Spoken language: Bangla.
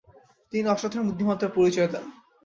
তিনি অসাধারণ বুদ্ধিমত্তার পরিচয় দেন।